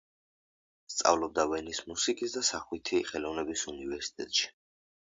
სწავლობდა ვენის მუსიკისა და სახვითი ხელოვნების უნივერსიტეტში.